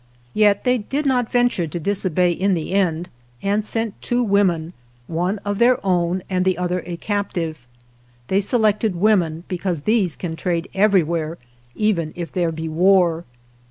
Yet they did not venture to disobey in the end, and sent two women, one of their own and the other a captive. They selected women because these can trade everywhere, even if there be war.